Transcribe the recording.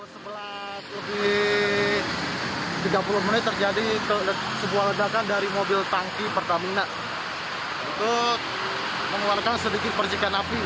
setelah lebih tiga puluh menit terjadi sebuah ledakan dari mobil tangki pertamina untuk mengeluarkan sedikit percikan api